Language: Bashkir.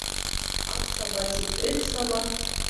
Ат саба тип, эт саба